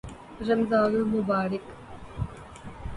رمضان المبارک